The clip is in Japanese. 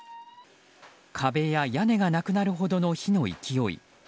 壁や屋根がなくなるほどの火の勢い。